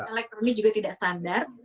elektronik juga tidak standar